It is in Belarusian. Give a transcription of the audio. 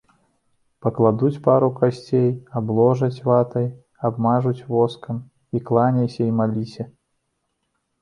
Пакладуць пару касцей, абложаць ватай, абмажуць воскам, і кланяйся, і маліся.